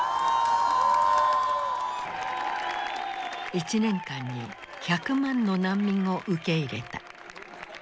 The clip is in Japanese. １年間に１００万の難民を受け入れた。